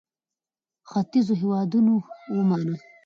ختیځو هېوادونو ومانه.